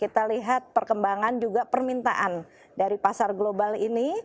kita lihat perkembangan juga permintaan dari pasar global ini